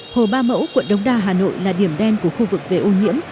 hồ ba mẫu quận đông đa hà nội là điểm đen của khu vực về ô nhiễm